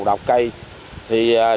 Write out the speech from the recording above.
trong thời gian này